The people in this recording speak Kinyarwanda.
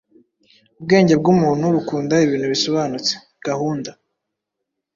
Ubwenge bw’umuntu bukunda ibintu bisobanutse, gahunda,